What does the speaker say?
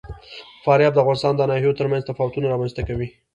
فاریاب د افغانستان د ناحیو ترمنځ تفاوتونه رامنځ ته کوي.